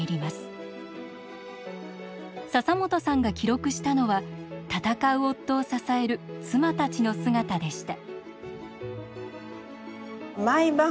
笹本さんが記録したのは闘う夫を支える妻たちの姿でした。